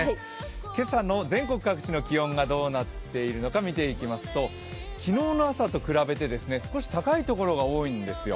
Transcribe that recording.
今朝の全国各地の気温がどうなっているのか見てみますと昨日の朝と比べて少し高いところが多いんですよ。